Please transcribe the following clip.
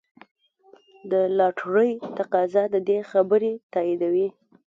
د لاټرۍ تقاضا د دې خبرې تاییدوي.